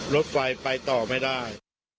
รถไฟไปต่อไม่ได้